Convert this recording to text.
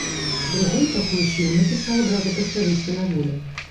Другую такую ж ён напісаў адразу пасля выйсця на волю.